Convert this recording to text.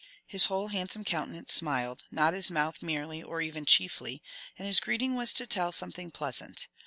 His whole handsome countenance smiled, not his mouth merely or even chiefly, and his greeting was to tell something pleasant.